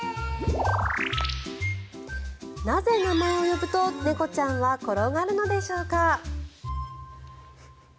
なぜ、名前を呼ぶと猫ちゃんは転がるのでしょうか。